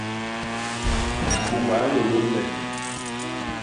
Mbôñ a nlôlôl me.